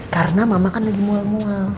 karena mama kan lagi mual mual